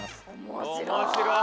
面白い！